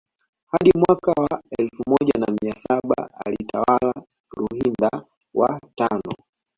Hadi mwaka wa elfu moja na mia saba alitawala Ruhinda wa tano